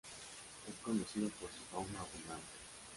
Es conocido por su fauna abundante.